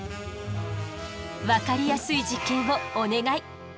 分かりやすい実験をお願い！